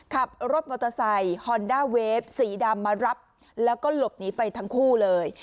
ขับรถมอเตอร์ไซค์ฮอนด้าเวฟสีดำมารับแล้วก็หลบหนีไปทั้งคู่เลย